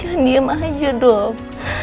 jangan diem aja dong